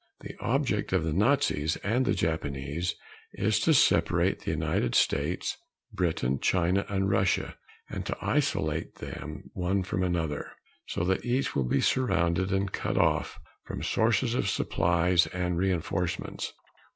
The object of the Nazis and the Japanese is to separate the United States, Britain, China and Russia, and to isolate them one from another, so that each will be surrounded and cut off from sources of supplies and reinforcements.